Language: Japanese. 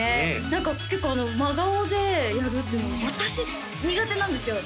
何か結構真顔でやるっていうのが私苦手なんですよ